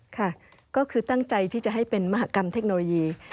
ค่ะก็คือตั้งใจที่จะให้เป็นมหากรรมเทคโนโลยี